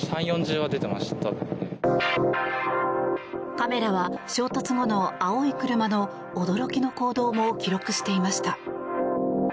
カメラは衝突後の青い車の驚きの行動も記録していました。